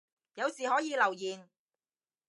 有事可以留言